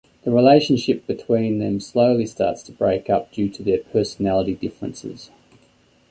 The relationship between them slowly starts to break up due to their personality differences.